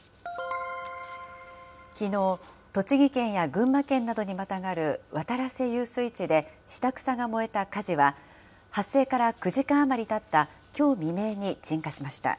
きのう、栃木県や群馬県などにまたがる渡良瀬遊水地で下草が燃えた火事は、発生から９時間余りたったきょう未明に鎮火しました。